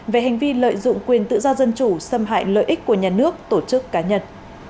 về hành vi lợi dụng quyền tự do dân chủ xâm hại lợi ích của nhà nước tổ chức cá nhân